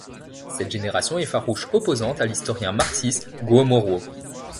Cette génération est farouche opposante à l'historien marxiste Guo Moruo.